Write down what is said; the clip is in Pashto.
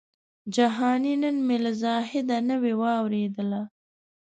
جهاني نن مي له زاهده نوې واورېدله